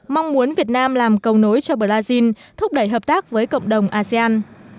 mong muốn việt nam làm cầu nối cho brazil thúc đẩy hợp tác với cộng đồng asean